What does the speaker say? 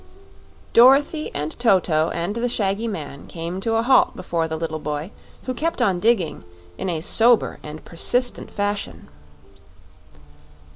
Dorothy and Toto and the shaggy man came to a halt before the little boy, who kept on digging in a sober and persistent fashion.